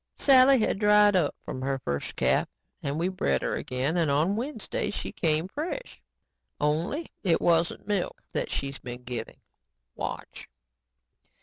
Sally had dried up from her first calf and we bred her again and on Wednesday she came fresh. Only it isn't milk that she's been giving. Watch!"